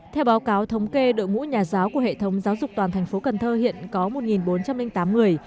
theo báo cáo thống kê đội ngũ nhà giáo của hệ thống giáo dục toàn thành phố cần thơ hiện có một bốn trăm linh tám người